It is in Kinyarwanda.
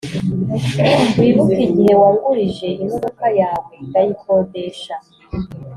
wibuke igihe wangurije imodoka yawe ndayikodesha?